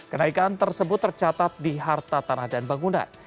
kenaikan tersebut tercatat di harta tanah dan bangunan